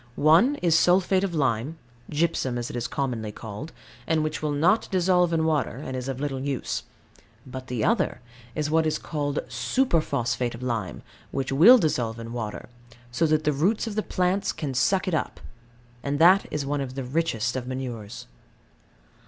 One is sulphate of lime (gypsum, as it is commonly called), and which will not dissolve in water, and is of little use. But the other is what is called superphosphate of lime, which will dissolve in water; so that the roots of the plants can suck it up: and that is one of the richest of manures.